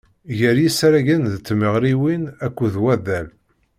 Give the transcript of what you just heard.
Gar yisaragen d tmeɣriwin akked waddal.